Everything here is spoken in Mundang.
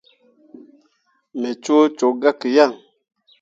Me coo cok gah ke yan.